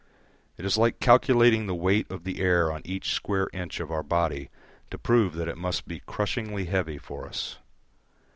It is like calculating the weight of the air on each square inch of our body to prove that it must be crushingly heavy for us.